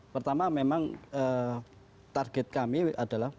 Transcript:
pertama memang target kami adalah